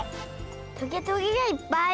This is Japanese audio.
トゲトゲがいっぱい。